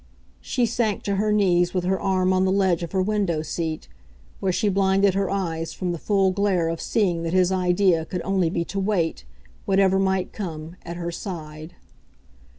She sank to her knees with her arm on the ledge of her window seat, where she blinded her eyes from the full glare of seeing that his idea could only be to wait, whatever might come, at her side.